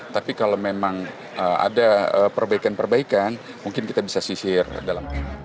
tapi kalau memang ada perbaikan perbaikan mungkin kita bisa sisir dalam